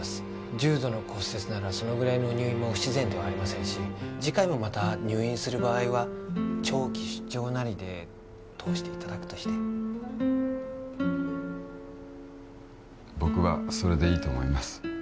重度の骨折ならそのぐらいの入院も不自然ではありませんし次回もまた入院する場合は長期出張なりで通していただくとして僕はそれでいいと思います